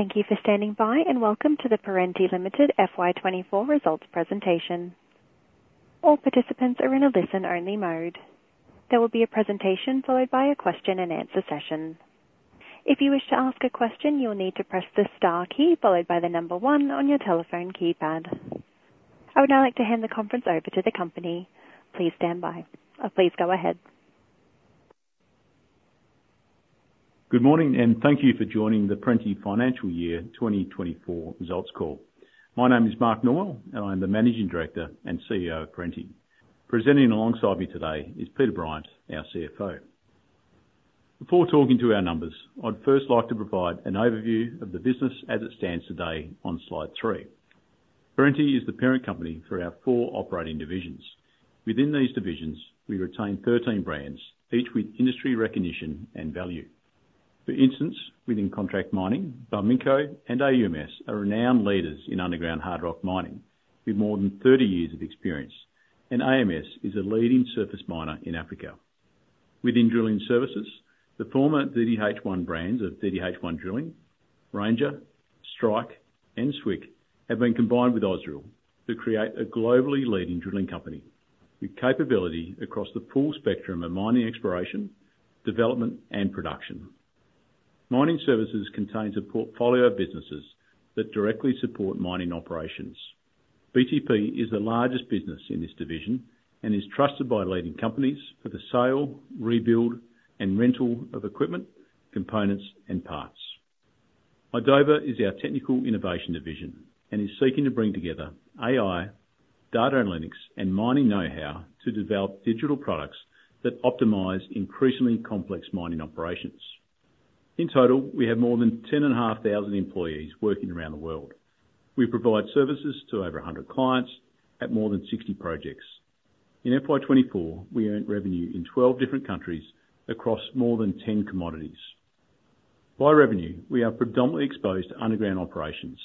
Thank you for standing by, and welcome to the Perenti Ltd FY 2024 Results Presentation. All participants are in a listen-only mode. There will be a presentation followed by a question-and-answer session. If you wish to ask a question, you will need to press the star key followed by the number one on your telephone keypad. I would now like to hand the conference over to the company. Please stand by. Please go ahead. Good morning, and thank you for joining the Perenti Financial Year 2024 Results Call. My name is Mark Norwell, and I'm the Managing Director and CEO of Perenti. Presenting alongside me today is Peter Bryant, our CFO. Before talking to our numbers, I'd first like to provide an overview of the business as it stands today on slide three. Perenti is the parent company for our four operating divisions. Within these divisions, we retain 13 brands, each with industry recognition and value. For instance, within Contract Mining, Barminco and AUMS are renowned leaders in underground hard rock mining, with more than 30 years of experience, and AMS is a leading surface miner in Africa. Within Drilling Services, the former DDH1 brands of DDH1 Drilling, Ranger, Strike, and Swick have been combined with Ausdrill to create a globally leading drilling company with capability across the full spectrum of mining exploration, development, and production. Mining Services contains a portfolio of businesses that directly support mining operations. BTP is the largest business in this division and is trusted by leading companies for the sale, rebuild, and rental of equipment, components, and parts. idoba is our technical innovation division and is seeking to bring together AI, data analytics, and mining know-how to develop digital products that optimize increasingly complex mining operations. In total, we have more than 10,500 employees working around the world. We provide services to over 100 clients at more than 60 projects. In FY 2024, we earned revenue in 12 different countries across more than 10 commodities. By revenue, we are predominantly exposed to underground operations.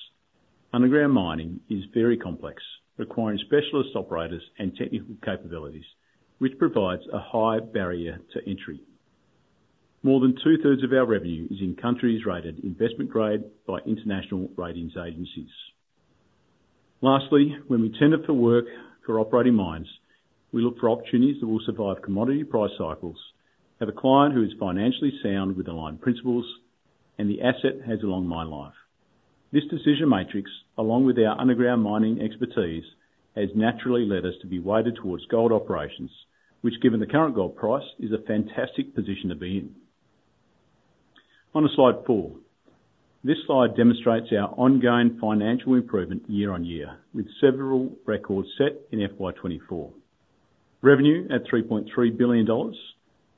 Underground mining is very complex, requiring specialist operators and technical capabilities, which provides a high barrier to entry. More than 2/3 of our revenue is in countries rated investment grade by international ratings agencies. Lastly, when we tender for work for operating mines, we look for opportunities that will survive commodity price cycles, have a client who is financially sound with aligned principles, and the asset has a long mine life. This decision matrix, along with our underground mining expertise, has naturally led us to be weighted towards gold operations, which, given the current gold price, is a fantastic position to be in. On to slide four. This slide demonstrates our ongoing financial improvement year on year, with several records set in FY 2024. Revenue of 3.3 billion dollars,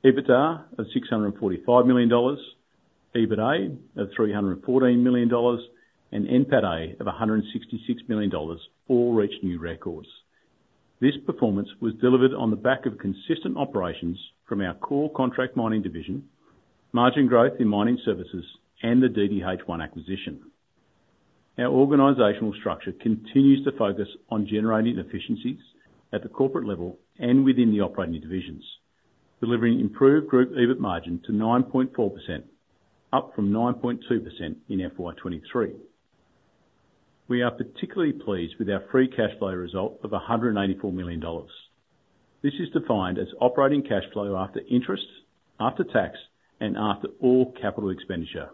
EBITDA of 645 million dollars, EBITA of 314 million dollars, and NPATA of 166 million dollars all reach new records. This performance was delivered on the back of consistent operations from our core contract mining division, margin growth in mining services, and the DDH1 acquisition. Our organizational structure continues to focus on generating efficiencies at the corporate level and within the operating divisions, delivering improved group EBIT margin to 9.4%, up from 9.2% in FY 2023. We are particularly pleased with our free cash flow result of 184 million dollars. This is defined as operating cash flow after interest, after tax, and after all capital expenditure.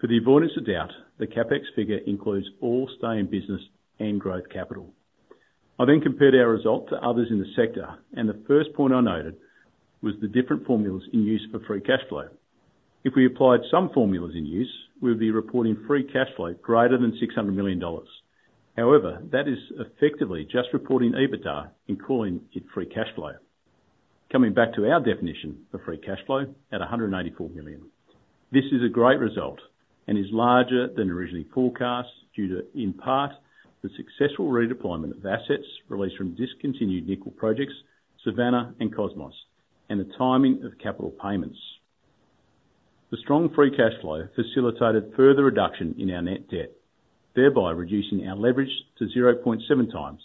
For the avoidance of doubt, the CapEx figure includes all stay-in-business and growth capital. I then compared our result to others in the sector, and the first point I noted was the different formulas in use for free cash flow. If we applied some formulas in use, we would be reporting free cash flow greater than 600 million dollars. However, that is effectively just reporting EBITDA and calling it free cash flow. Coming back to our definition for free cash flow, at 184 million, this is a great result and is larger than originally forecast, due to, in part, the successful redeployment of assets released from discontinued nickel projects, Savannah and Cosmos, and the timing of capital payments. The strong free cash flow facilitated further reduction in our net debt, thereby reducing our leverage to 0.7x,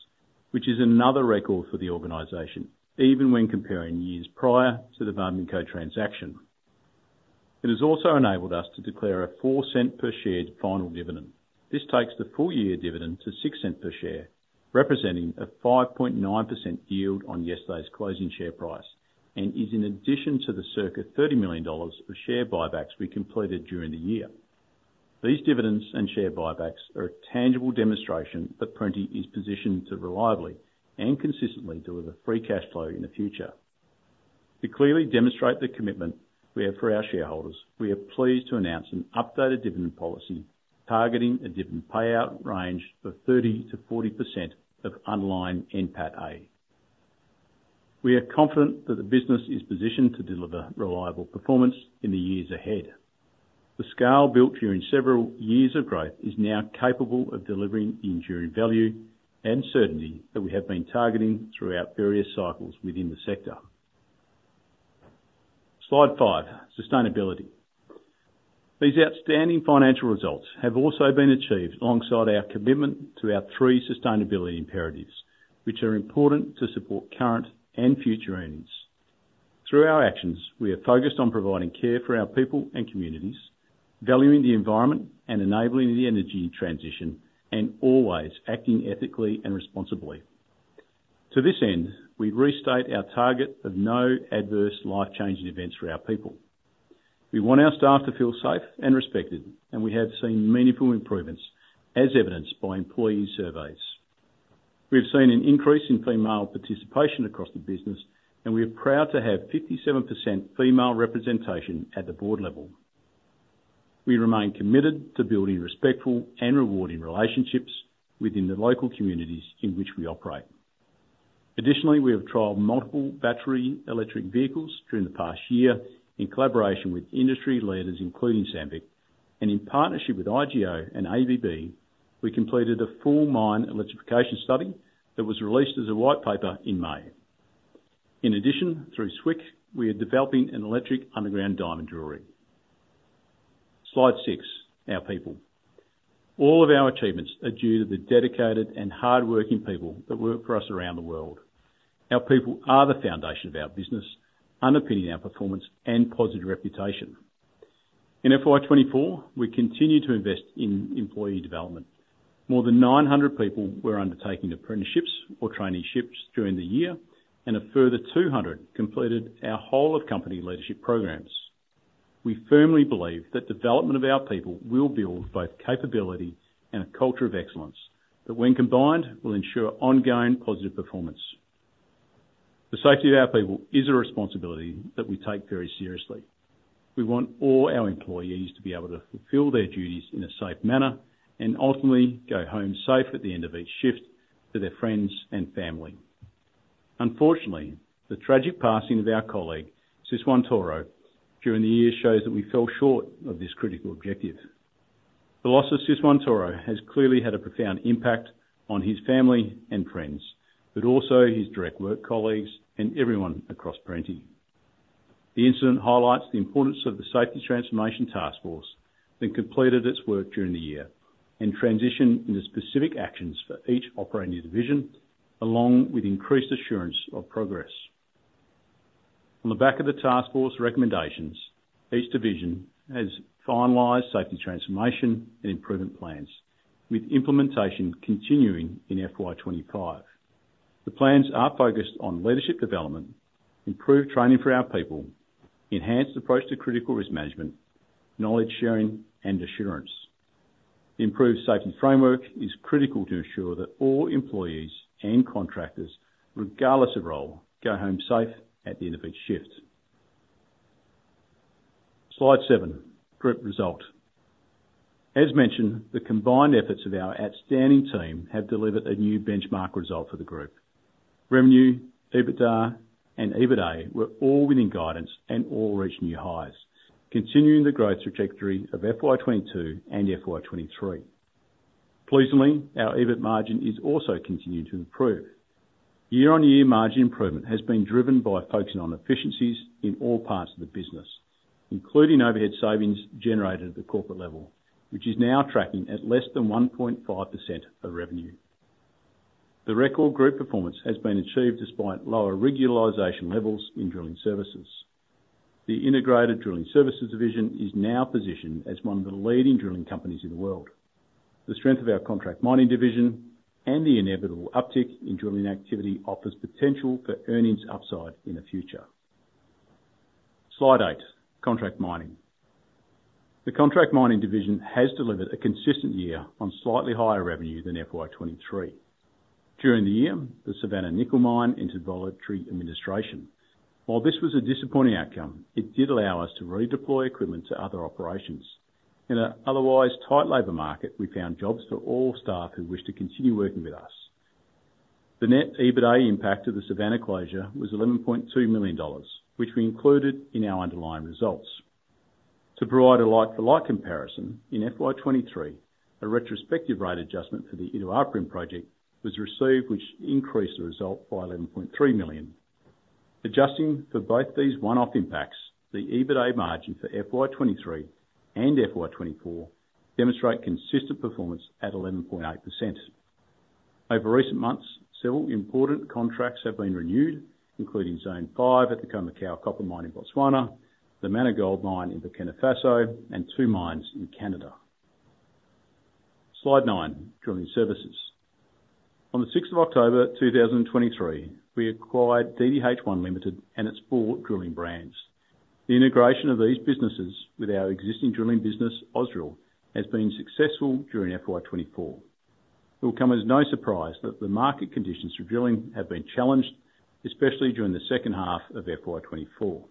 which is another record for the organization, even when comparing years prior to the Barminco transaction. It has also enabled us to declare a 0.04 per share final dividend. This takes the full-year dividend to 0.06 per share, representing a 5.9% yield on yesterday's closing share price, and is in addition to the circa AUD 30 million of share buybacks we completed during the year. These dividends and share buybacks are a tangible demonstration that Perenti is positioned to reliably and consistently deliver free cash flow in the future. To clearly demonstrate the commitment we have for our shareholders, we are pleased to announce an updated dividend policy, targeting a dividend payout range of 30%-40% of underlying NPATA. We are confident that the business is positioned to deliver reliable performance in the years ahead. The scale built during several years of growth is now capable of delivering enduring value and certainty that we have been targeting throughout various cycles within the sector. Slide five, sustainability. These outstanding financial results have also been achieved alongside our commitment to our three sustainability imperatives, which are important to support current and future earnings. Through our actions, we are focused on providing care for our people and communities, valuing the environment, and enabling the energy in transition, and always acting ethically and responsibly. To this end, we restate our target of no adverse life-changing events for our people. We want our staff to feel safe and respected, and we have seen meaningful improvements, as evidenced by employee surveys. We've seen an increase in female participation across the business, and we are proud to have 57% female representation at the board level. We remain committed to building respectful and rewarding relationships within the local communities in which we operate. Additionally, we have trialed multiple battery electric vehicles during the past year in collaboration with industry leaders, including Sandvik, and in partnership with IGO and ABB, we completed a full mine electrification study that was released as a white paper in May. In addition, through Swick, we are developing an electric underground diamond driller. Slide six, our people. All of our achievements are due to the dedicated and hardworking people that work for us around the world. Our people are the foundation of our business, underpinning our performance and positive reputation. In FY 2024, we continued to invest in employee development. More than 900 people were undertaking apprenticeships or traineeships during the year, and a further 200 completed our whole of company leadership programs. We firmly believe that development of our people will build both capability and a culture of excellence, that when combined, will ensure ongoing positive performance. The safety of our people is a responsibility that we take very seriously. We want all our employees to be able to fulfill their duties in a safe manner, and ultimately go home safe at the end of each shift to their friends and family. Unfortunately, the tragic passing of our colleague, Siswantoro, during the year shows that we fell short of this critical objective. The loss of Siswantoro has clearly had a profound impact on his family and friends, but also his direct work colleagues and everyone across Perenti. The incident highlights the importance of the Safety Transformation Taskforce that completed its work during the year, and transitioned into specific actions for each operating division, along with increased assurance of progress. On the back of the task force recommendations, each division has finalized safety transformation and improvement plans, with implementation continuing in FY 2025. The plans are focused on leadership development, improved training for our people, enhanced approach to critical risk management, knowledge sharing, and assurance. Improved safety framework is critical to ensure that all employees and contractors, regardless of role, go home safe at the end of each shift. Slide seven, group result. As mentioned, the combined efforts of our outstanding team have delivered a new benchmark result for the group. Revenue, EBITDA, and EBITA, were all within guidance and all reached new highs, continuing the growth trajectory of FY 2022 and FY 2023. Pleasingly, our EBIT margin is also continuing to improve. Year-on-year margin improvement has been driven by focusing on efficiencies in all parts of the business, including overhead savings generated at the corporate level, which is now tracking at less than 1.5% of revenue. The record group performance has been achieved despite lower rig utilization levels in drilling services. The Integrated Drilling Services division is now positioned as one of the leading drilling companies in the world. The strength of our contract mining division and the inevitable uptick in drilling activity offers potential for earnings upside in the future. Slide eight, Contract Mining. The Contract Mining division has delivered a consistent year on slightly higher revenue than FY 2023. During the year, the Savannah Nickel Mine entered voluntary administration. While this was a disappointing outcome, it did allow us to redeploy equipment to other operations. In an otherwise tight labor market, we found jobs for all staff who wished to continue working with us. The net EBITA impact of the Savannah closure was 11.2 million dollars, which we included in our underlying results. To provide a like-for-like comparison, in FY 2023, a retrospective rate adjustment for the Iduapriem project was received, which increased the result by 11.3 million. Adjusting for both these one-off impacts, the EBITA margin for FY 2023 and FY 2024 demonstrate consistent performance at 11.8%. Over recent months, several important contracts have been renewed, including Zone 5 at the Khoemacau Copper Mine in Botswana, the Mana Gold Mine in Burkina Faso, and two mines in Canada. Slide 9, Drilling Services. On the 6th of October, 2023, we acquired DDH1 Ltd and its four drilling brands. The integration of these businesses with our existing drilling business, Ausdrill, has been successful during FY 2024. It will come as no surprise that the market conditions for drilling have been challenged, especially during the second half of FY 2024.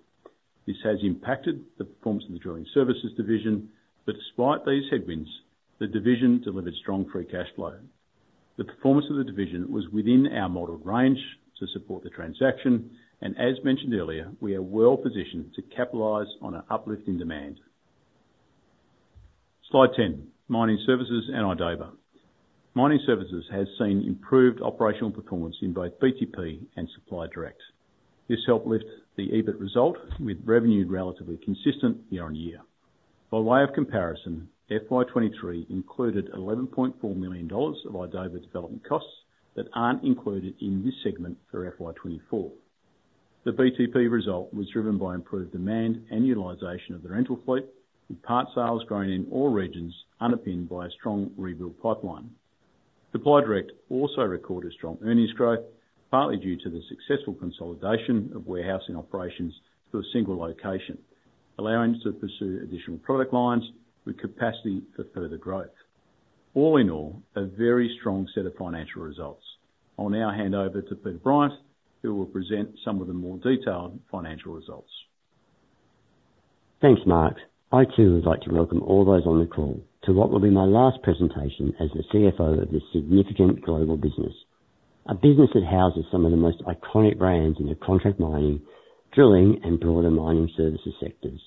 This has impacted the performance of the Drilling Services division, but despite these headwinds, the division delivered strong free cash flow. The performance of the division was within our modeled range to support the transaction, and as mentioned earlier, we are well positioned to capitalize on an uplift in demand. Slide 10, Mining Services and idoba. Mining Services has seen improved operational performance in both BTP and Supply Direct. This helped lift the EBIT result with revenue relatively consistent year-on-year. By way of comparison, FY 2023 included AUD 11.4 million of idoba development costs that aren't included in this segment for FY 2024. The BTP result was driven by improved demand and utilization of the rental fleet, with part sales growing in all regions, underpinned by a strong rebuild pipeline. Supply Direct also recorded strong earnings growth, partly due to the successful consolidation of warehousing operations to a single location, allowing us to pursue additional product lines with capacity for further growth. All in all, a very strong set of financial results. I'll now hand over to Peter Bryant, who will present some of the more detailed financial results. Thanks, Mark. I, too, would like to welcome all those on the call to what will be my last presentation as the CFO of this significant global business. A business that houses some of the most iconic brands in the contract mining, drilling, and broader mining services sectors.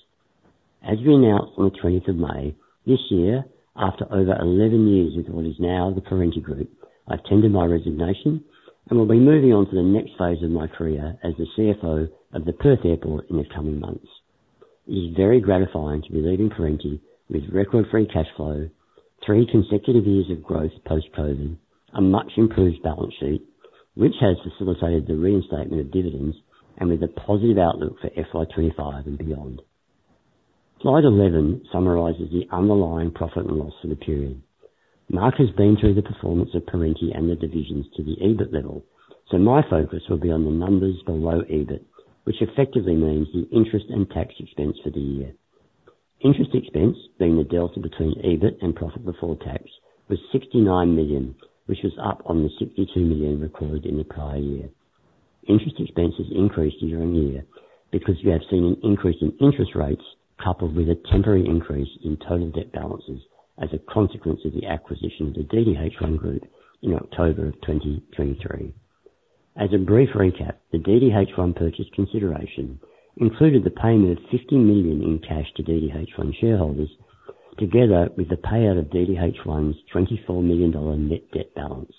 As we announced on the 20th of May, this year, after over eleven years with what is now the Perenti Group, I tendered my resignation and will be moving on to the next phase of my career as the CFO of the Perth Airport in the coming months. It is very gratifying to be leaving Perenti with record free cash flow, three consecutive years of growth post-COVID, a much-improved balance sheet, which has facilitated the reinstatement of dividends and with a positive outlook for FY 2025 and beyond. Slide 11 summarizes the underlying profit and loss for the period. Mark has been through the performance of Perenti and the divisions to the EBIT level, so my focus will be on the numbers below EBIT, which effectively means the interest and tax expense for the year. Interest expense, being the delta between EBIT and profit before tax, was 69 million, which was up on the 62 million recorded in the prior year. Interest expenses increased year on year because we have seen an increase in interest rates, coupled with a temporary increase in total debt balances as a consequence of the acquisition of the DDH1 group in October 2023. As a brief recap, the DDH1 purchase consideration included the payment of 50 million in cash to DDH1 shareholders, together with the payout of DDH1's 24 million dollar net debt balance.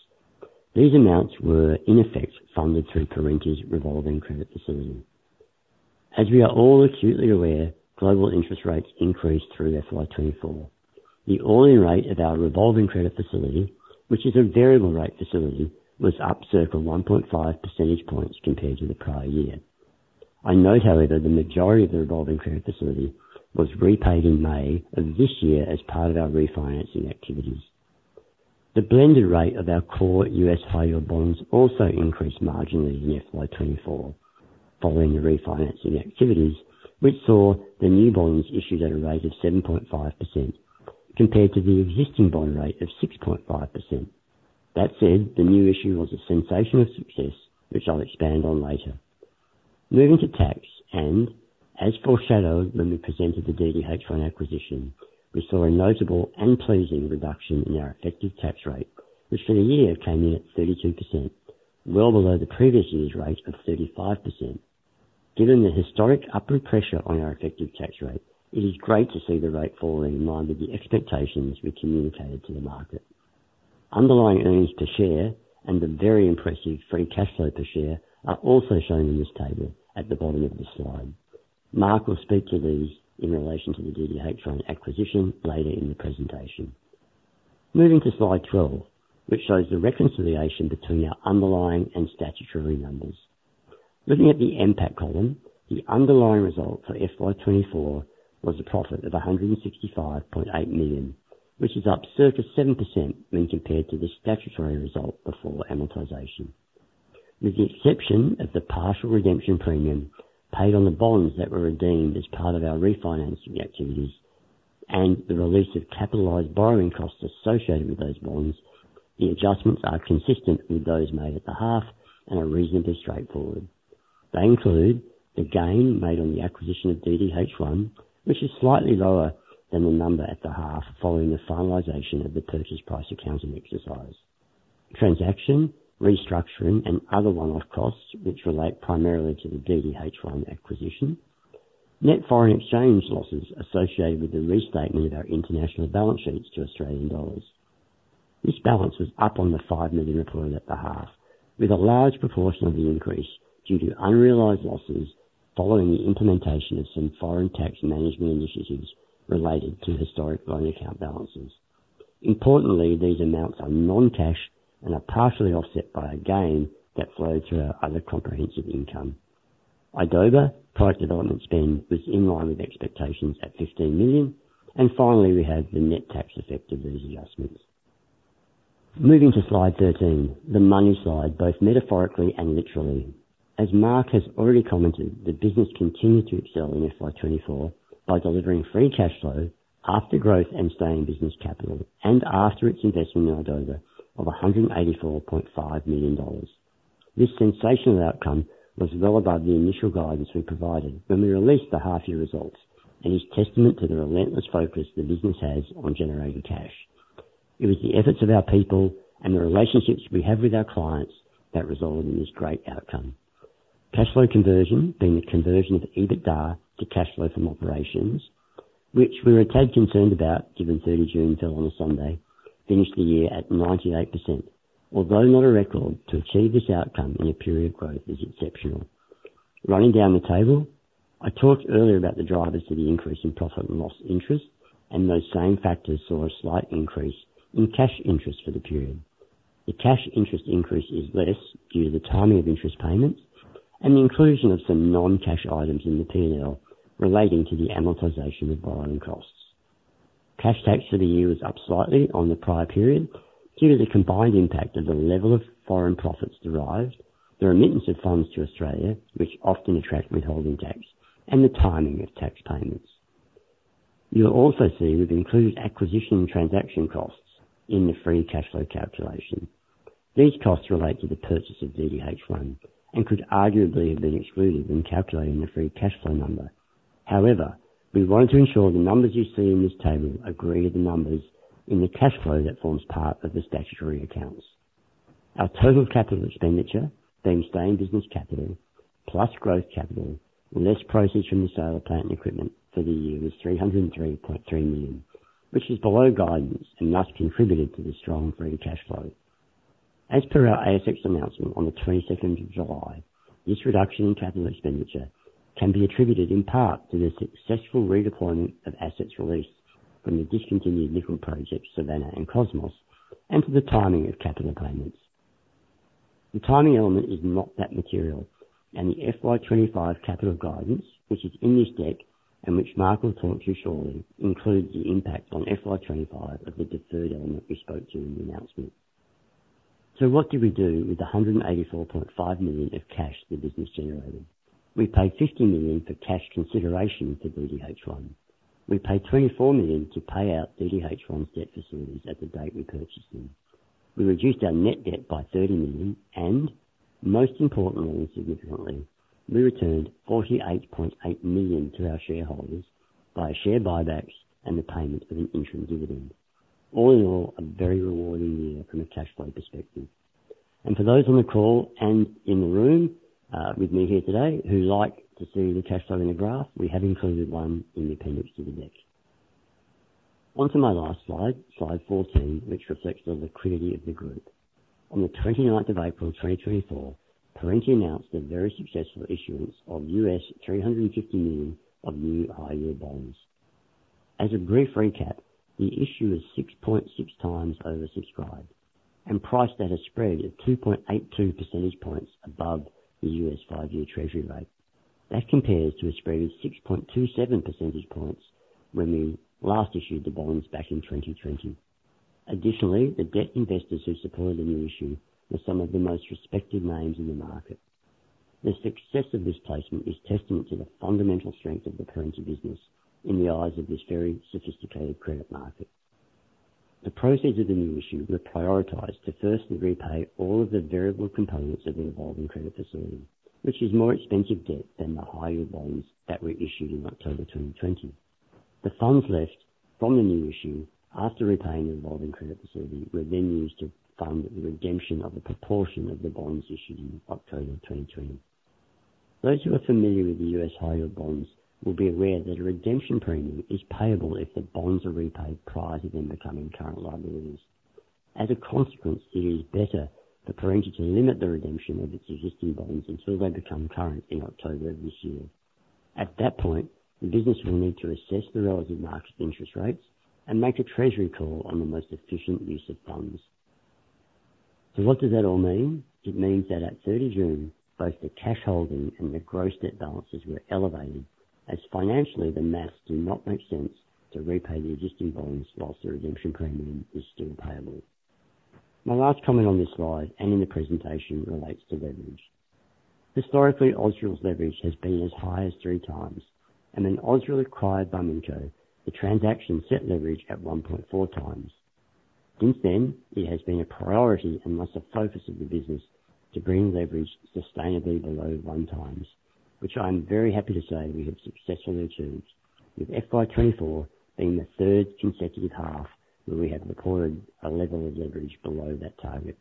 These amounts were in effect funded through Perenti's revolving credit facility. As we are all acutely aware, global interest rates increased through FY 2024. The all-in rate of our revolving credit facility, which is a variable rate facility, was up circa 1.5 percentage points compared to the prior year. I note, however, the majority of the revolving credit facility was repaid in May of this year as part of our refinancing activities. The blended rate of our core U.S. high yield bonds also increased marginally in FY 2024 following the refinancing activities, which saw the new bonds issued at a rate of 7.5%, compared to the existing bond rate of 6.5%. That said, the new issue was a sensational success, which I'll expand on later. Moving to tax, and as foreshadowed when we presented the DDH1 acquisition, we saw a notable and pleasing reduction in our effective tax rate, which for the year came in at 32%, well below the previous year's rate of 35%. Given the historic upward pressure on our effective tax rate, it is great to see the rate falling in line with the expectations we communicated to the market. Underlying earnings per share and the very impressive free cash flow per share are also shown in this table at the bottom of the slide. Mark will speak to these in relation to the DDH1 acquisition later in the presentation. Moving to slide 12, which shows the reconciliation between our underlying and statutory numbers. Looking at the NPAT column, the underlying result for FY 2024 was a profit of 165.8 million, which is up circa 7% when compared to the statutory result before amortization. With the exception of the partial redemption premium paid on the bonds that were redeemed as part of our refinancing activities and the release of capitalized borrowing costs associated with those bonds, the adjustments are consistent with those made at the half and are reasonably straightforward. They include the gain made on the acquisition of DDH1, which is slightly lower than the number at the half following the finalization of the purchase price accounting exercise. Transaction, restructuring, and other one-off costs, which relate primarily to the DDH1 acquisition. Net foreign exchange losses associated with the restatement of our international balance sheets to AUD. This balance was up on the 5 million recorded at the half, with a large proportion of the increase due to unrealized losses following the implementation of some foreign tax management initiatives related to historic loan account balances. Importantly, these amounts are non-cash and are partially offset by a gain that flowed through our other comprehensive income. idoba product development spend was in line with expectations at 15 million. And finally, we have the net tax effect of these adjustments. Moving to slide 13, the money slide, both metaphorically and literally. As Mark has already commented, the business continued to excel in FY 2024 by delivering free cash flow after growth and staying in business capital and after its investment in idoba of AUD 184.5 million. This sensational outcome was well above the initial guidance we provided when we released the half year results and is testament to the relentless focus the business has on generating cash. It was the efforts of our people and the relationships we have with our clients that resulted in this great outcome. Cash flow conversion, being the conversion of EBITDA to cash flow from operations, which we were a tad concerned about given 30 June fell on a Sunday, finished the year at 98%. Although not a record, to achieve this outcome in a period of growth is exceptional. Running down the table, I talked earlier about the drivers to the increase in profit and loss interest, and those same factors saw a slight increase in cash interest for the period. The cash interest increase is less due to the timing of interest payments and the inclusion of some non-cash items in the P&L relating to the amortization of borrowing costs. Cash tax for the year is up slightly on the prior period, due to the combined impact of the level of foreign profits derived, the remittance of funds to Australia, which often attract withholding tax, and the timing of tax payments. You'll also see we've included acquisition and transaction costs in the free cash flow calculation. These costs relate to the purchase of DDH1 and could arguably have been excluded when calculating the free cash flow number. However, we wanted to ensure the numbers you see in this table agree to the numbers in the cash flow that forms part of the statutory accounts. Our total capital expenditure, being sustained business capital plus growth capital, less proceeds from the sale of plant and equipment for the year, was 303.3 million, which is below guidance and thus contributed to the strong free cash flow. As per our ASX announcement on the 22nd of July, this reduction in capital expenditure can be attributed in part to the successful redeployment of assets released from the discontinued nickel projects, Savannah and Cosmos, and to the timing of capital payments. The timing element is not that material, and the FY 2025 capital guidance, which is in this deck, and which Mark will talk to you shortly, includes the impact on FY 2025 of the deferred element we spoke to in the announcement. So what did we do with the 184.5 million of cash the business generated? We paid 50 million for cash consideration to DDH1. We paid 24 million to pay out DDH1's debt facilities at the date we purchased them. We reduced our net debt by 30 million, and most importantly and significantly, we returned 48.8 million to our shareholders via share buybacks and the payments of an interim dividend. All in all, a very rewarding year from a cash flow perspective. For those on the call and in the room, with me here today, who like to see the cash flow in a graph, we have included one in the appendix to the deck. On to my last slide, slide 14, which reflects the liquidity of the group. On the 29th of April, 2024, Perenti announced a very successful issuance of $350 million of new high-yield bonds. As a brief recap, the issue is 6.6x oversubscribed and priced at a spread of 2.82 percentage points above the U.S. five-year Treasury rate. That compares to a spread of 6.27 percentage points when we last issued the bonds back in 2020. Additionally, the debt investors who supported the new issue were some of the most respected names in the market. The success of this placement is testament to the fundamental strength of the Perenti business in the eyes of this very sophisticated credit market. The proceeds of the new issue were prioritized to firstly repay all of the variable components of the revolving credit facility, which is more expensive debt than the high-yield bonds that were issued in October 2020. The funds left from the new issue, after repaying the revolving credit facility, were then used to fund the redemption of a proportion of the bonds issued in October of 2020. Those who are familiar with the U.S. high-yield bonds will be aware that a redemption premium is payable if the bonds are repaid prior to them becoming current liabilities. As a consequence, it is better for Perenti to limit the redemption of its existing bonds until they become current in October of this year. At that point, the business will need to assess the relevant market interest rates and make a treasury call on the most efficient use of funds. So what does that all mean? It means that at 30 June, both the cash holding and the gross debt balances were elevated, as financially, the math does not make sense to repay the existing bonds whilst the redemption premium is still payable. My last comment on this slide, and in the presentation, relates to leverage. Historically, Ausdrill's leverage has been as high as 3x, and when Ausdrill acquired Barminco, the transaction set leverage at 1.4x. Since then, it has been a priority, and thus a focus of the business, to bring leverage sustainably below 1x, which I am very happy to say we have successfully achieved, with FY 2024 being the third consecutive half where we have recorded a level of leverage below that target.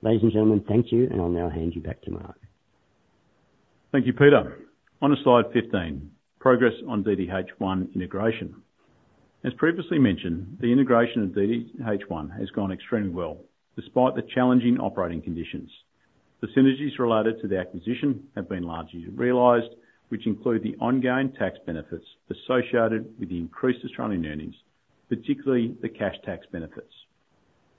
Ladies and gentlemen, thank you, and I'll now hand you back to Mark. Thank you, Peter. On to slide 15, progress on DDH1 integration. As previously mentioned, the integration of DDH1 has gone extremely well, despite the challenging operating conditions. The synergies related to the acquisition have been largely realized, which include the ongoing tax benefits associated with the increased Australian earnings, particularly the cash tax benefits.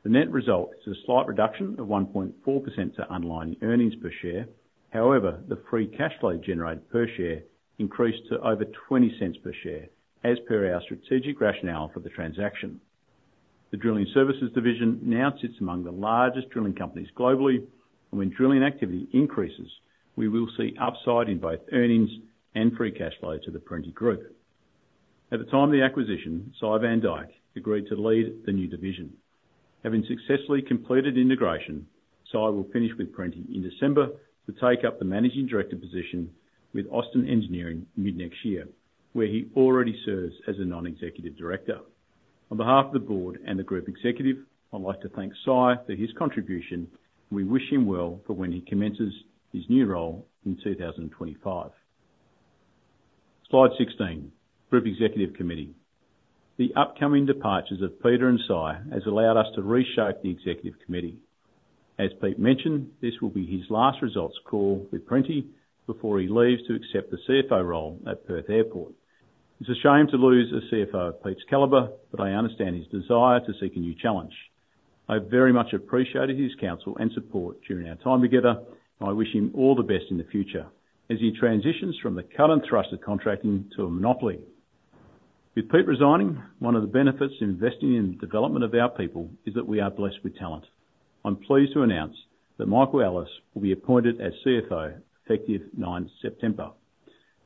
The net result is a slight reduction of 1.4% to underlying earnings per share. However, the free cash flow generated per share increased to over 0.20 per share, as per our strategic rationale for the transaction. The drilling services division now sits among the largest drilling companies globally, and when drilling activity increases, we will see upside in both earnings and free cash flow to the Perenti Group. At the time of the acquisition, Sy Van Dyk agreed to lead the new division. Having successfully completed integration, Sy will finish with Perenti in December to take up the managing director position with Austin Engineering mid-next year, where he already serves as a non-executive director. On behalf of the board and the group executive, I'd like to thank Sy for his contribution. We wish him well for when he commences his new role in 2025. Slide 16, Group Executive Committee. The upcoming departures of Peter and Sy has allowed us to reshape the executive committee. As Pete mentioned, this will be his last results call with Perenti before he leaves to accept the CFO role at Perth Airport. It's a shame to lose a CFO of Pete's caliber, but I understand his desire to seek a new challenge. I very much appreciated his counsel and support during our time together, and I wish him all the best in the future as he transitions from the current thrust of contracting to a monopoly. With Pete resigning, one of the benefits in investing in the development of our people is that we are blessed with talent. I'm pleased to announce that Michael Ellis will be appointed as CFO, effective 9th September.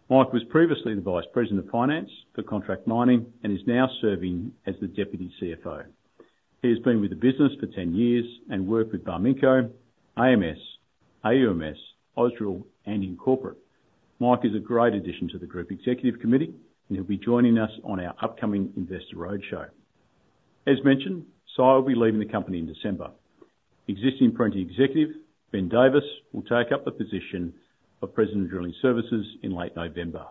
Mike was previously the Vice President of Finance for Contract Mining and is now serving as the Deputy CFO. He has been with the business for ten years and worked with Barminco, AMS, AUMS, Ausdrill, and in Corporate. Mike is a great addition to the Group Executive Committee, and he'll be joining us on our upcoming Investor Roadshow. As mentioned, Sy will be leaving the company in December. Existing Perenti executive Ben Davis will take up the position of President, Drilling Services in late November.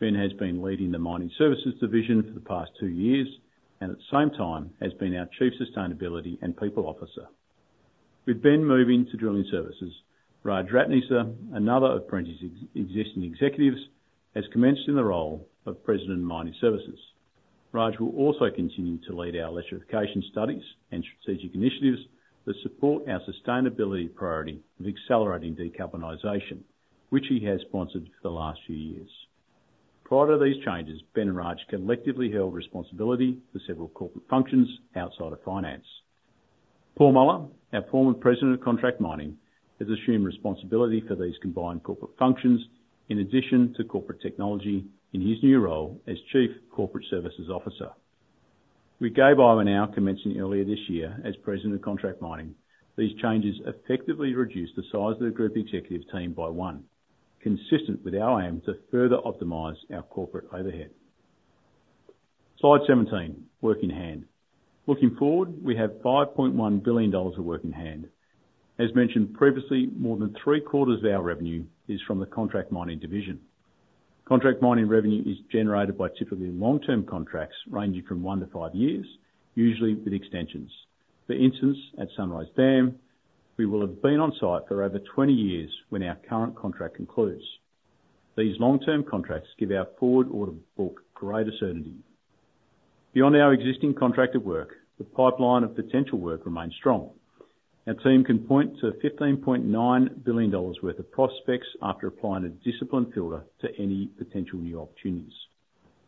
Ben has been leading the Mining Services division for the past two years, and at the same time, has been our Chief Sustainability & People Officer. With Ben moving to Drilling Services, Raj Ratneser, another of Perenti's existing executives, has commenced in the role of President, Mining Services. Raj will also continue to lead our electrification studies and strategic initiatives that support our sustainability priority of accelerating decarbonization, which he has sponsored for the last few years. Prior to these changes, Ben and Raj collectively held responsibility for several corporate functions outside of finance. Paul Muller, our former President of Contract Mining, has assumed responsibility for these combined corporate functions, in addition to corporate technology, in his new role as Chief Corporate Services Officer. With Gabe Iwanow commencing earlier this year as President of Contract Mining, these changes effectively reduce the size of the group executive team by one, consistent with our aim to further optimize our corporate overhead. Slide 17, work in hand. Looking forward, we have 5.1 billion dollars of work in hand. As mentioned previously, more than 3/4 of our revenue is from the Contract Mining division. Contract Mining revenue is generated by typically long-term contracts, ranging from 1-5 years, usually with extensions. For instance, at Sunrise Dam, we will have been on site for over 20 years when our current contract concludes. These long-term contracts give our forward order book great certainty. Beyond our existing contracted work, the pipeline of potential work remains strong. Our team can point to 15.9 billion dollars worth of prospects after applying a disciplined filter to any potential new opportunities.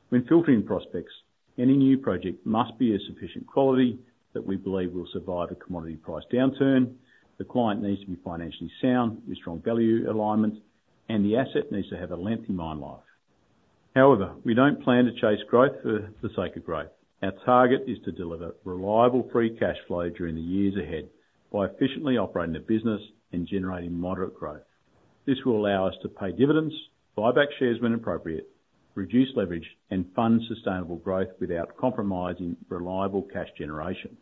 When filtering prospects, any new project must be of sufficient quality that we believe will survive a commodity price downturn. The client needs to be financially sound, with strong value alignment, and the asset needs to have a lengthy mine life. However, we don't plan to chase growth for the sake of growth. Our target is to deliver reliable free cash flow during the years ahead by efficiently operating the business and generating moderate growth. This will allow us to pay dividends, buy back shares when appropriate, reduce leverage, and fund sustainable growth without compromising reliable cash generation.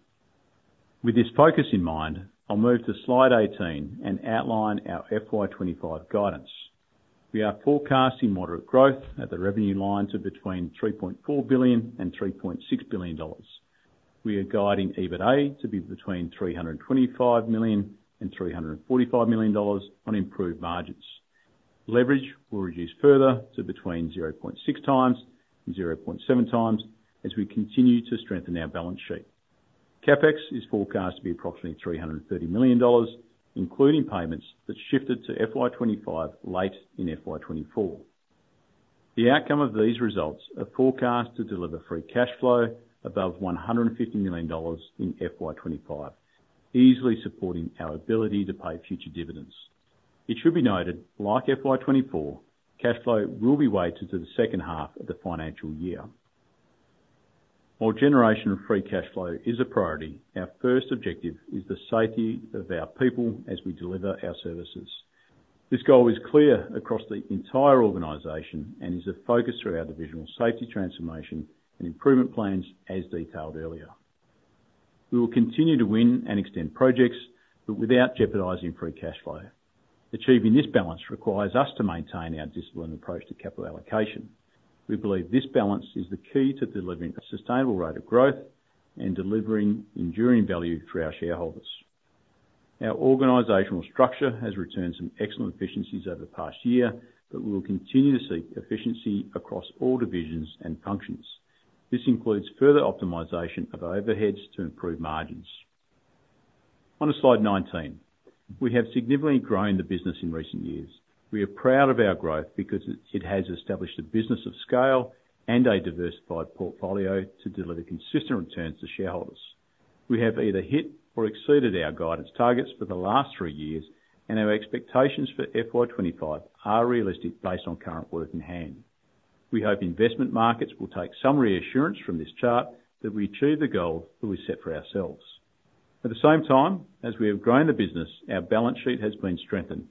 With this focus in mind, I'll move to Slide 18 and outline our FY 2025 guidance. We are forecasting moderate growth at the revenue lines of between 3.4 billion and 3.6 billion dollars. We are guiding EBITA to be between 325 million and 345 million dollars on improved margins. Leverage will reduce further to between 0.6x and 0.7x as we continue to strengthen our balance sheet. CapEx is forecast to be approximately 330 million dollars, including payments that shifted to FY 2025, late in FY 2024. The outcome of these results are forecast to deliver free cash flow above 150 million dollars in FY 2025, easily supporting our ability to pay future dividends. It should be noted, like FY 2024, cash flow will be weighted to the second half of the financial year. While generation of free cash flow is a priority, our first objective is the safety of our people as we deliver our services. This goal is clear across the entire organization and is a focus through our divisional safety transformation and improvement plans, as detailed earlier. We will continue to win and extend projects, but without jeopardizing free cash flow. Achieving this balance requires us to maintain our disciplined approach to capital allocation. We believe this balance is the key to delivering a sustainable rate of growth and delivering enduring value for our shareholders. Our organizational structure has returned some excellent efficiencies over the past year, but we will continue to seek efficiency across all divisions and functions. This includes further optimization of overheads to improve margins. On to slide 19. We have significantly grown the business in recent years. We are proud of our growth because it has established a business of scale and a diversified portfolio to deliver consistent returns to shareholders. We have either hit or exceeded our guidance targets for the last three years, and our expectations for FY 2025 are realistic, based on current work in hand. We hope investment markets will take some reassurance from this chart that we achieve the goal that we set for ourselves. At the same time, as we have grown the business, our balance sheet has been strengthened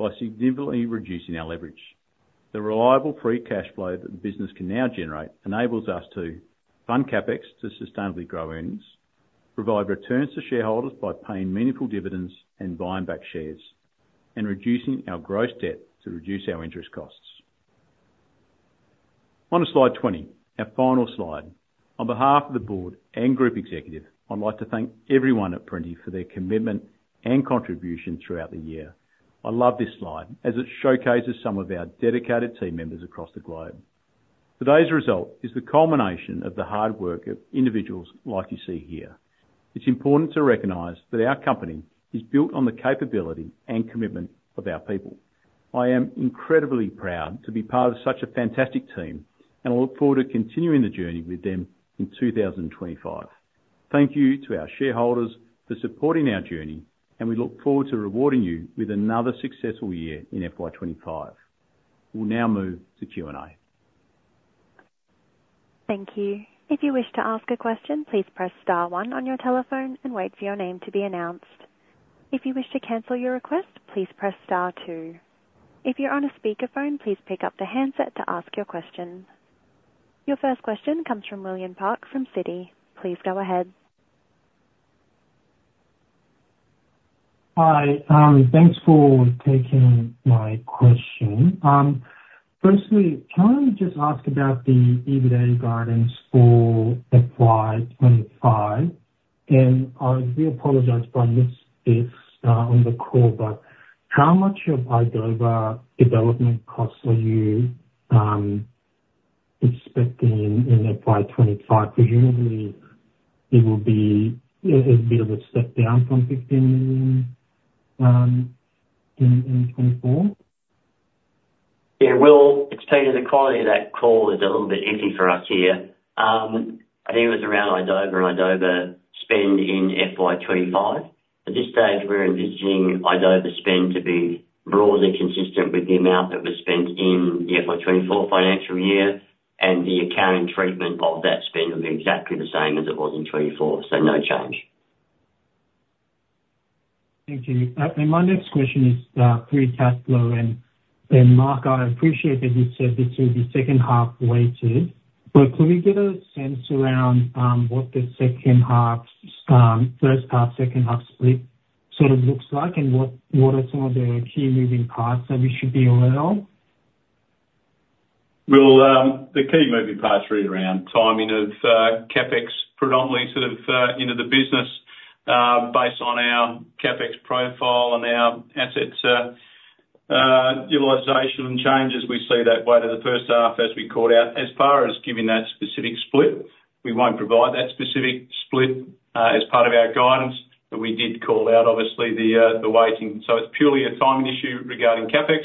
by significantly reducing our leverage. The reliable free cash flow that the business can now generate enables us to fund CapEx to sustainably grow earnings, provide returns to shareholders by paying meaningful dividends and buying back shares, and reducing our gross debt to reduce our interest costs. On to slide 20, our final slide. On behalf of the Board and Group Executive, I'd like to thank everyone at Perenti for their commitment and contribution throughout the year. I love this slide, as it showcases some of our dedicated team members across the globe. Today's result is the culmination of the hard work of individuals like you see here. It's important to recognize that our company is built on the capability and commitment of our people. I am incredibly proud to be part of such a fantastic team, and I look forward to continuing the journey with them in 2025. Thank you to our shareholders for supporting our journey, and we look forward to rewarding you with another successful year in FY 2025. We'll now move to Q&A. Thank you. If you wish to ask a question, please press star one on your telephone and wait for your name to be announced. If you wish to cancel your request, please press star two. If you're on a speakerphone, please pick up the handset to ask your question. Your first question comes from William Park, from Citi. Please go ahead. Hi. Thanks for taking my question. Firstly, can I just ask about the EBITDA guidance for FY 2025? And I do apologize if I missed this on the call, but how much of idoba development costs are you expecting in FY 2025? Presumably, it will be a bit of a step down from 15 million in 2024? Yeah, Will, it's Peter. The quality of that call is a little bit iffy for us here. I think it was around idoba and idoba spend in FY 2025. At this stage, we're envisaging idoba spend to be broadly consistent with the amount that was spent in the FY 2024 financial year, and the accounting treatment of that spend will be exactly the same as it was in 2024, so no change. Thank you. And my next question is, free cash flow. And, Mark, I appreciate that you said this is the second half weighted, but can we get a sense around, what the second half's, first half, second half split sort of looks like, and what are some of the key moving parts that we should be aware of? Will, the key moving parts really around timing of CapEx, predominantly sort of into the business, based on our CapEx profile and our assets, utilization and changes, we see that weighted to the first half, as we called out. As far as giving that specific split, we won't provide that specific split as part of our guidance, but we did call out, obviously, the weighting. So it's purely a timing issue regarding CapEx,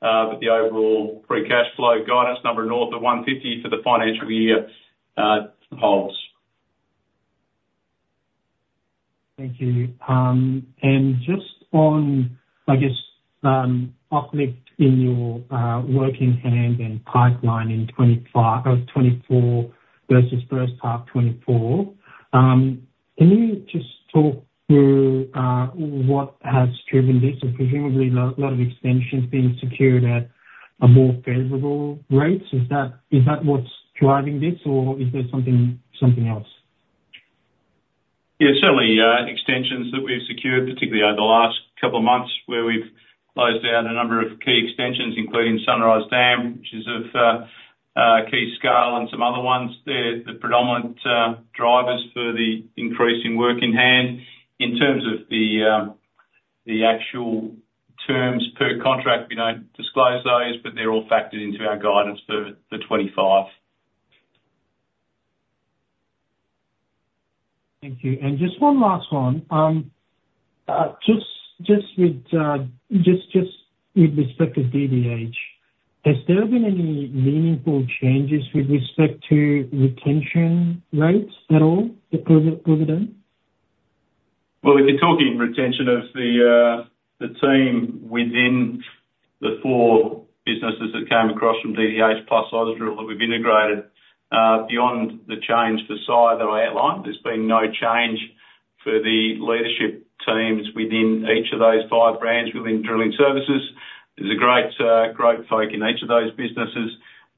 but the overall free cash flow guidance number north of 150 for the financial year holds. Thank you. And just on, I guess, uplift in your work in hand and pipeline in 2025, 2024 versus first half 2024. Can you just talk through what has driven this? And presumably, a lot of extensions being secured at a more favorable rates. Is that what's driving this, or is there something else? Yeah, certainly, extensions that we've secured, particularly over the last couple of months, where we've closed out a number of key extensions, including Sunrise Dam, which is of key scale, and some other ones. They're the predominant drivers for the increase in work in hand. In terms of the actual terms per contract, we don't disclose those, but they're all factored into our guidance for 2025. Thank you. And just one last one. Just with respect to DDH, has there been any meaningful changes with respect to retention rates at all with Perenti? If you're talking retention of the team within the four businesses that came across from DDH, plus Ausdrill, that we've integrated, beyond the change to Sy that I outlined, there's been no change for the leadership teams within each of those five brands within Drilling Services. There's a great folk in each of those businesses,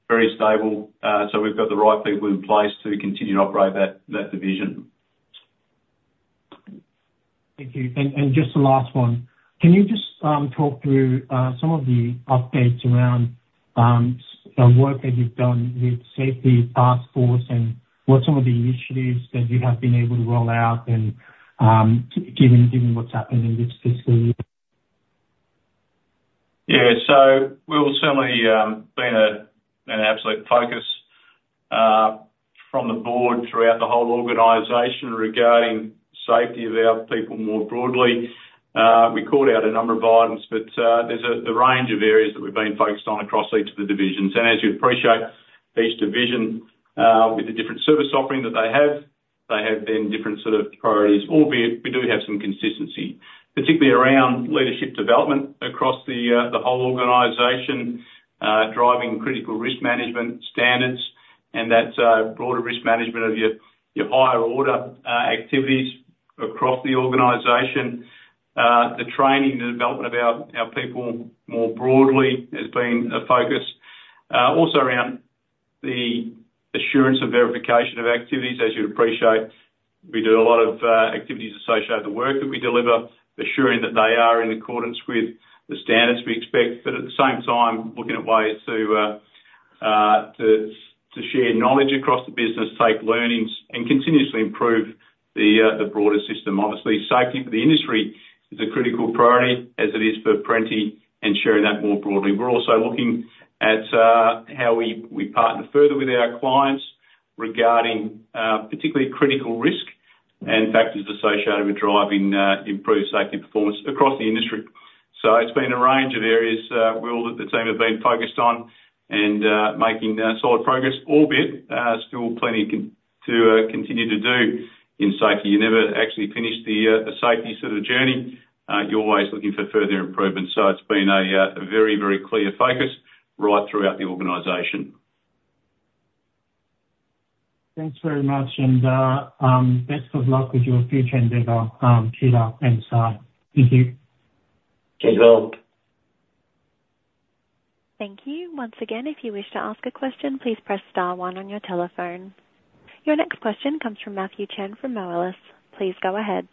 very stable, so we've got the right people in place to continue to operate that division. Thank you. And just the last one, can you just talk through some of the updates around the work that you've done with Safety Taskforce and what some of the initiatives that you have been able to roll out and given what's happened in this fiscal year? Yeah. So we've certainly been an absolute focus from the board throughout the whole organization regarding safety of our people more broadly. We called out a number of items, but there's a range of areas that we've been focused on across each of the divisions. And as you'd appreciate, each division with the different service offering that they have, they have been different sort of priorities, albeit we do have some consistency, particularly around leadership development across the whole organization, driving critical risk management standards, and that's broader risk management of your higher order activities across the organization. The training and development of our people more broadly has been a focus, also around the assurance of verification of activities. As you'd appreciate, we do a lot of activities associated with the work that we deliver, assuring that they are in accordance with the standards we expect, but at the same time, looking at ways to share knowledge across the business, take learnings, and continuously improve the broader system. Obviously, safety for the industry is a critical priority as it is for Perenti and sharing that more broadly. We're also looking at how we partner further with our clients regarding particularly critical risk and factors associated with driving improved safety performance across the industry. So it's been a range of areas, we all at the team have been focused on and making solid progress, albeit still plenty to continue to do in safety. You never actually finish the safety sort of journey. You're always looking for further improvement, so it's been a very, very clear focus right throughout the organization. Thanks very much, and best of luck with your future endeavor, Peter and Sy. Thank you. Cheers, Will. Thank you. Once again, if you wish to ask a question, please press star one on your telephone. Your next question comes from Matthew Chen from Moelis. Please go ahead.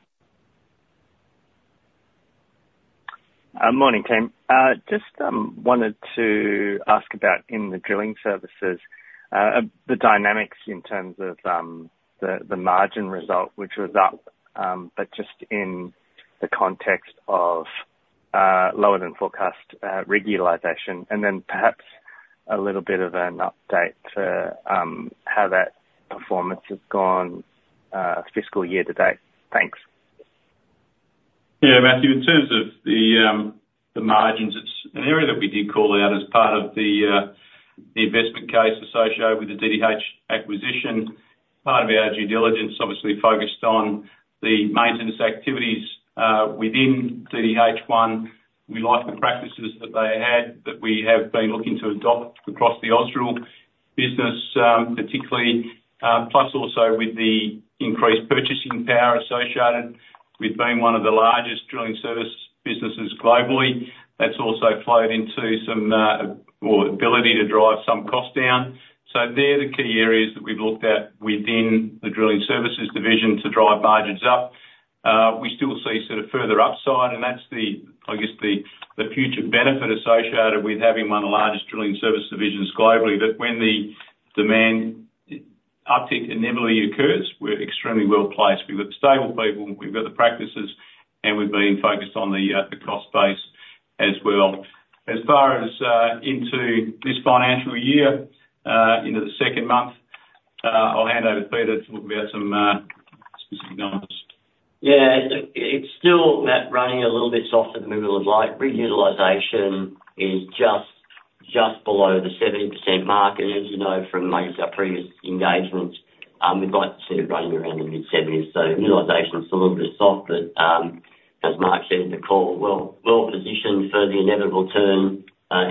Morning, team. Just wanted to ask about in the Drilling Services, the dynamics in terms of, the margin result, which was up, but just in the context of, lower than forecast, rig utilization, and then perhaps a little bit of an update to, how that performance has gone, fiscal year to date. Thanks. Yeah, Matthew, in terms of the margins, it's an area that we did call out as part of the investment case associated with the DDH acquisition. Part of our due diligence obviously focused on the maintenance activities within DDH1. We like the practices that they had, that we have been looking to adopt across the Ausdrill business, particularly, plus also with the increased purchasing power associated with being one of the largest drilling service businesses globally. That's also flowed into some our ability to drive some costs down. So they're the key areas that we've looked at within the drilling services division to drive margins up. We still see sort of further upside, and that's the, I guess, the future benefit associated with having one of the largest drilling service divisions globally, that when the demand uptick inevitably occurs, we're extremely well placed. We've got stable people, we've got the practices, and we've been focused on the cost base as well. As far as into this financial year, into the second month, I'll hand over to Peter to talk about some specific numbers. Yeah, it's still that running a little bit softer than we would have liked. Rig utilization is just below the 70% mark, and as you know from our previous engagements, we'd like to see it running around the mid-70s. Utilization is still a little bit soft, but as Mark said in the call, well positioned for the inevitable turn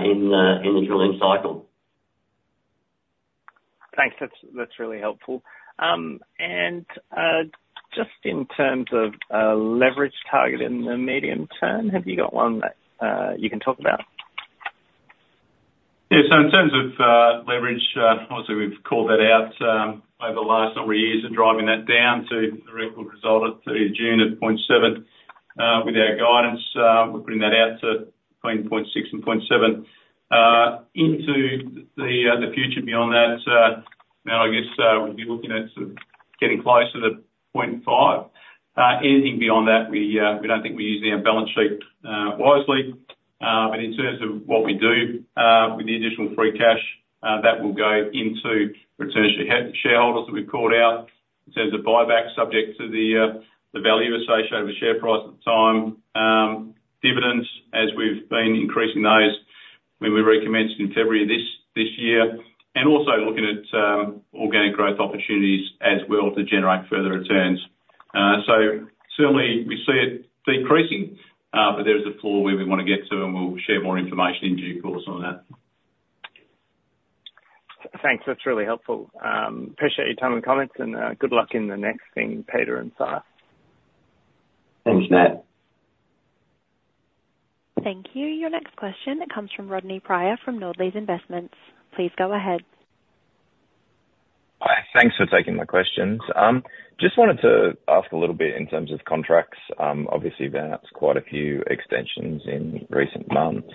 in the drilling cycle. Thanks. That's really helpful. And just in terms of leverage target in the medium term, have you got one that you can talk about? Yeah. So in terms of leverage, obviously we've called that out over the last number of years and driving that down to the record result at 30 June at 0.7. With our guidance, we're putting that out to between 0.6 and 0.7. Into the future beyond that, now I guess we'd be looking at sort of getting closer to 0.5. Anything beyond that, we don't think we're using our balance sheet wisely. But in terms of what we do with the additional free cash, that will go into returns to shareholders that we've called out, in terms of buyback subject to the value associated with share price at the time. Dividends, as we've been increasing those when we recommenced in February of this year, and also looking at organic growth opportunities as well to generate further returns. So certainly we see it decreasing, but there is a floor where we wanna get to, and we'll share more information in due course on that. Thanks. That's really helpful. Appreciate your time and comments, and good luck in the next thing, Peter and Sy. Thanks, Matt. Thank you. Your next question comes from Rodney Pryor, from Nordlys Investments. Please go ahead. Hi. Thanks for taking my questions. Just wanted to ask a little bit in terms of contracts. Obviously there's been quite a few extensions in recent months.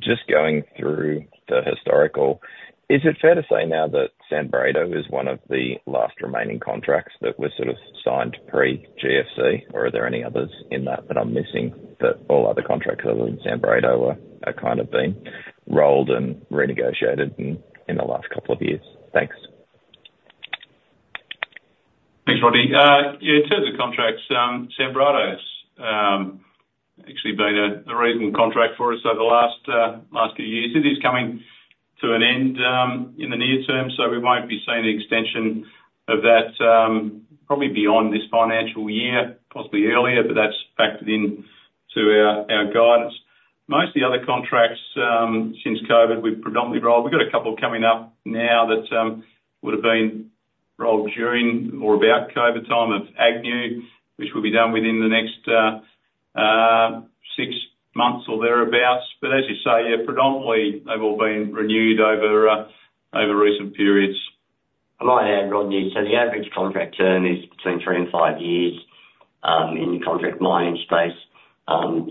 Just going through the historical, is it fair to say now that Sanbrado is one of the last remaining contracts that were sort of signed pre-GFC, or are there any others in that that I'm missing, that all other contracts other than Sanbrado are kind of being rolled and renegotiated in the last couple of years? Thanks. Thanks, Rodney. Yeah, in terms of contracts, Sanbrado has actually been a reasonable contract for us over the last few years. It is coming to an end in the near term, so we won't be seeing the extension of that probably beyond this financial year, possibly earlier, but that's factored into our guidance. Most of the other contracts since COVID, we've predominantly rolled. We've got a couple coming up now that would have been rolled during or about COVID time of Agnew, which will be done within the next six months or thereabouts. But as you say, yeah, predominantly, they've all been renewed over recent periods. I add, Rodney, so the average contract term is between three and five years in the contract mining space.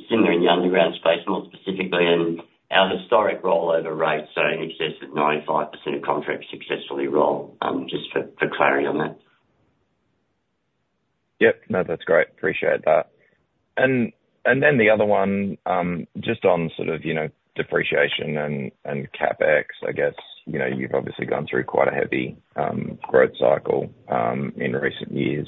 Similar in the underground space, more specifically, and our historic rollover rates are in excess of 95% of contracts successfully roll, just for clarity on that. Yep. No, that's great. Appreciate that. And, and then the other one, just on sort of, you know, depreciation and, and CapEx, I guess, you know, you've obviously gone through quite a heavy, growth cycle, in recent years.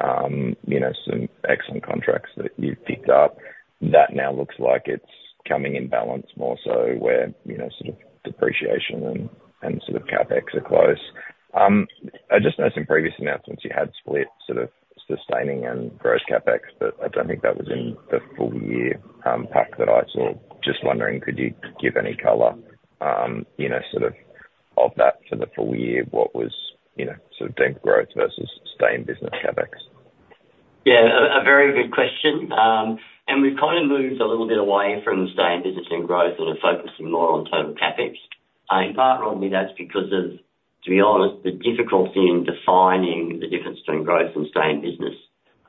You know, some excellent contracts that you've picked up, that now looks like it's coming in balance more so where, you know, sort of depreciation and, and sort of CapEx are close. I just know some previous announcements you had split sort of sustaining and growth CapEx, but I don't think that was in the full year, pack that I saw. Just wondering, could you give any color, you know, sort of, of that for the full year? What was, you know, sort of the growth versus sustained business CapEx? Yeah, a very good question. And we've kind of moved a little bit away from sustained business and growth, and are focusing more on total CapEx. In part, Rodney, that's because of, to be honest, the difficulty in defining the difference between growth and sustained business.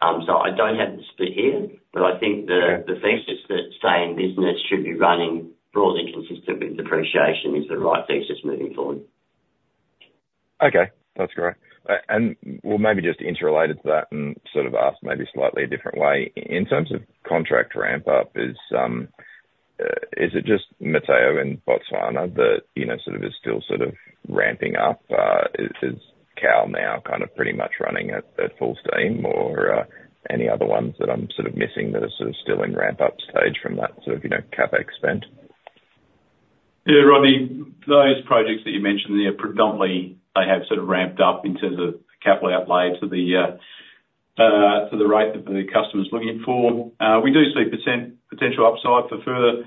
So I don't have the split here, but I think that the thesis that sustained business should be running broadly consistent with depreciation is the right thesis moving forward. Okay. That's great. Maybe just interrelated to that and sort of asked maybe slightly a different way, in terms of contract ramp up, is it just Motheo and Botswana that, you know, sort of is still sort of ramping up? Is Cowal now kind of pretty much running at full steam or any other ones that I'm sort of missing that are sort of still in ramp up stage from that sort of, you know, CapEx spend? Yeah, Rodney, those projects that you mentioned, they are predominantly, they have sort of ramped up in terms of capital outlay to the, to the rate that the customer's looking for. We do see potential upside for further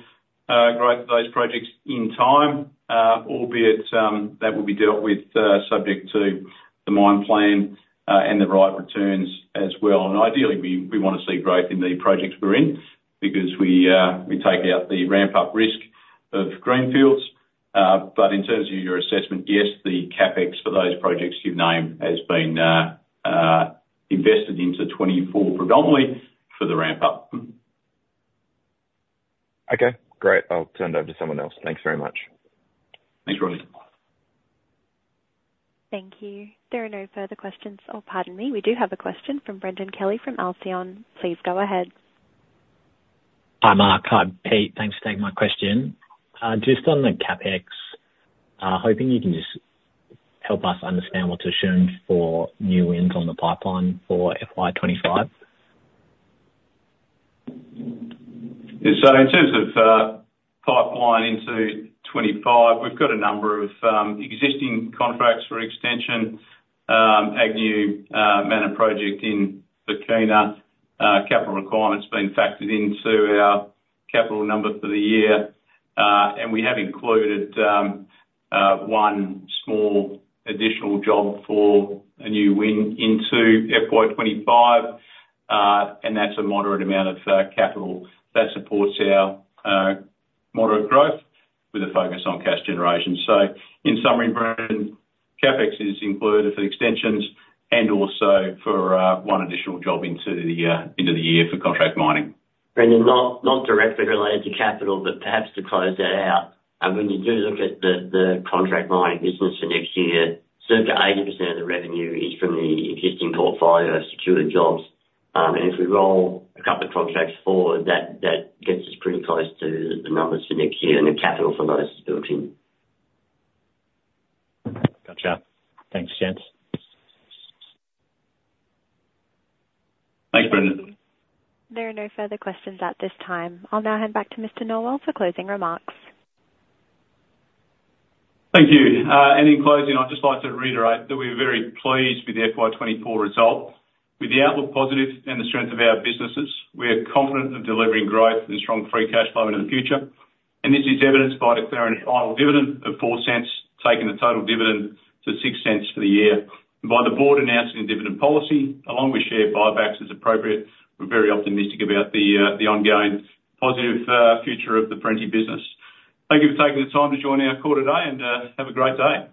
growth of those projects in time, albeit that will be dealt with subject to the mine plan and the right returns as well. And ideally, we wanna see growth in the projects we're in because we take out the ramp-up risk of greenfields. But in terms of your assessment, yes, the CapEx for those projects you've named has been invested into 2024, predominantly for the ramp up. Okay, great. I'll turn it over to someone else. Thanks very much. Thanks, Rodney. Thank you. There are no further questions. Oh, pardon me. We do have a question from Brendon Kelly from Alceon. Please go ahead. Hi, Mark. Hi, Pete. Thanks for taking my question. Just on the CapEx, hoping you can just help us understand what's assumed for new wins on the pipeline for FY 2025. Yeah. So in terms of pipeline into 2025, we've got a number of existing contracts for extension, our new Mana project in Burkina Faso, capital requirements been factored into our capital number for the year. And we have included one small additional job for a new win into FY 2025, and that's a moderate amount of capital that supports our moderate growth with a focus on cash generation. So in summary, Brendon, CapEx is included for the extensions and also for one additional job into the year for Contract Mining. Brendan, not directly related to capital, but perhaps to close that out. And when you do look at the Contract Mining business for next year, circa 80% of the revenue is from the existing portfolio of secured jobs. And if we roll a couple of contracts forward, that gets us pretty close to the numbers for next year, and the capital for those is built in. Gotcha. Thanks, gents. Thanks, Brendon. There are no further questions at this time. I'll now hand back to Mr. Norwell for closing remarks. Thank you. And in closing, I'd just like to reiterate that we're very pleased with the FY 2024 result. With the outlook positive and the strength of our businesses, we are confident of delivering growth and strong free cash flow into the future, and this is evidenced by declaring a final dividend of 0.04, taking the total dividend to 0.06 for the year. By the board announcing a dividend policy, along with share buybacks as appropriate, we're very optimistic about the ongoing positive future of the Perenti business. Thank you for taking the time to join our call today, and have a great day.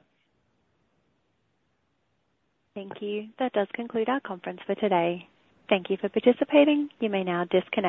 Thank you. That does conclude our conference for today. Thank you for participating. You may now disconnect.